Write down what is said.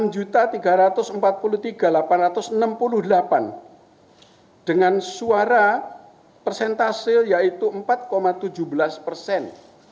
enam tiga ratus empat puluh tiga delapan ratus enam puluh delapan dengan suara persentase yaitu empat tujuh belas persen